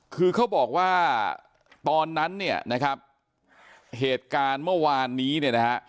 คือเขาบอกว่าตอนนั้นเนี่ยนะครับเหตุการณ์เมื่อวานนี้เนี่ยนะฮะ